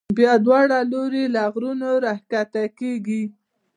بیا دواړه لوري له غرونو را کښته کېږي.